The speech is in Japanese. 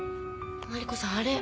マリコさんあれ。